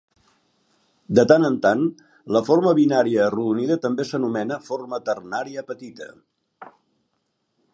De tant en tant, la forma binària arrodonida també s'anomena forma ternària petita.